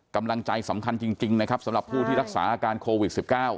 กำลังใจสำคัญจริงนะครับสำหรับผู้ที่รักษาอาการโควิด๑๙